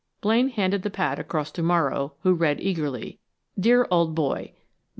Blaine handed the pad across to Morrow, who read eagerly: _Dear Old Boy.